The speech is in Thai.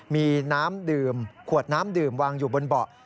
มีน้ำดื่มขวดน้ำดื่มวางอยู่บนเบาะ